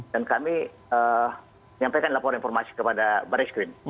dan kami menyampaikan laporan informasi kepada baris green